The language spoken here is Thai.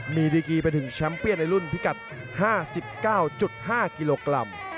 มีดีกีไปถึงแชมป์เปียนในรุ่นพิกัด๕๙๕กิโลกรัม